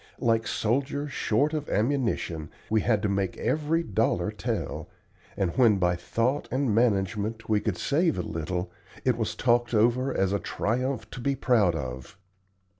Like soldiers short of ammunition, we had to make every dollar tell, and when by thought and management we could save a little it was talked over as a triumph to be proud of.